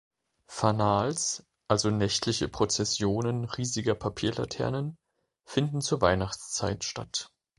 „Fanals“, also nächtliche Prozessionen riesiger Papierlaternen, finden zur Weihnachtszeit statt.